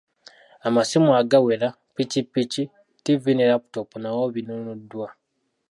Amasimu agawera, ppikipiki, ttivi ne laputoopu nabyo binnunuddwa.